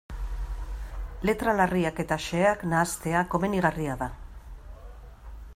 Letra larriak eta xeheak nahastea komenigarria da.